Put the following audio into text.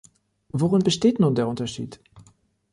Worin besteht nun der Unterschied?